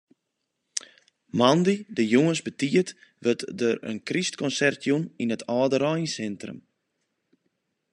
Moandei de jûns betiid wurdt der in krystkonsert jûn yn it âldereinsintrum.